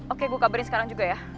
oke gue kabarin sekarang juga ya